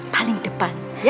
paling depan ya